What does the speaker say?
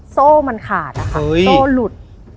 โซ่มันขาดโซ่หลุด